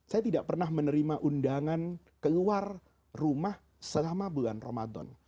saya tidak pernah menerima undangan keluar rumah selama bulan ramadan